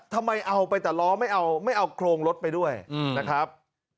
ทำไมเอาไปแต่ล้อไม่เอาไม่เอาโครงรถไปด้วยนะครับ